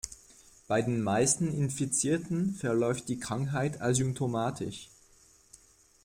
Bei den meisten Infizierten verläuft die Krankheit asymptomatisch.